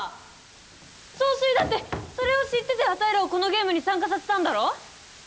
総帥だってそれを知っててあたいらをこのゲームに参加させたんだろ？